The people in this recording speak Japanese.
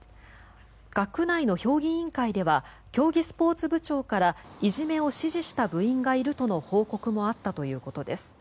学内の評議員会では競技スポーツ部長からいじめを指示した部員がいるとの報告もあったということです。